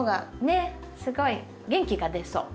ねっすごい元気が出そう。